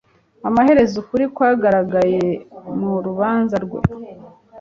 Amaherezo ukuri kwagaragaye mu rubanza rwe.